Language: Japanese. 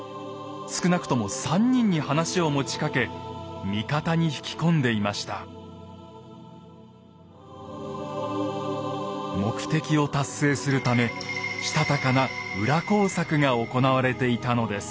少なくとも３人に話を持ちかけ目的を達成するためしたたかな裏工作が行われていたのです。